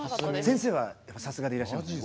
先生はさすがでいらっしゃいますね。